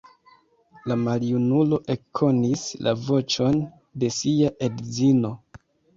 La maljunulo ekkonis la voĉon de sia edzino.